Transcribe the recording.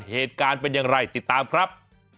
เหตุการณ์เป็นอย่างไรติดตามครับ